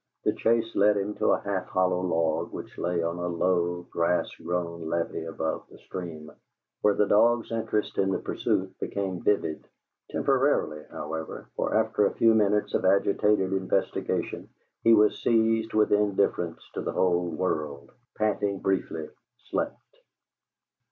The chase led him to a half hollow log which lay on a low, grass grown levee above the stream, where the dog's interest in the pursuit became vivid; temporarily, however, for after a few minutes of agitated investigation, he was seized with indifference to the whole world; panted briefly; slept.